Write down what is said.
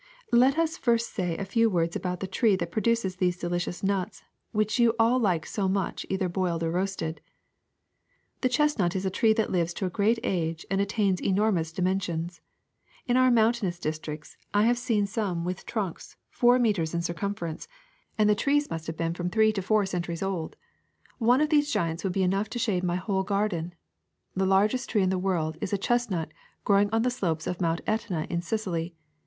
Let us first say a few words about the tree that produces these delicious nuts, which you all like so much either boiled or roasted. *'The chestnut is a tree that lives to a great age and attains enormous dimensions. In our mountain ous districts I have seen some with trunks four 1 See "Field, Forest, and Farm." CHESTNUTS 281 Flowering Branch and Fruit of Chestnut Tree meters in circumference, and the trees must have been from three to four centuries old. One of these giants would be enough to shade my whole garden. The largest tree in the world is a chestnut grow ing on the slopes of Mount Etna in Sicily.